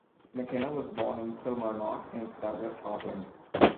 McKinna was born in Kilmarnock in southwest Scotland.